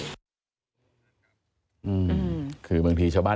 อืมคือบางทีชาวบ้าน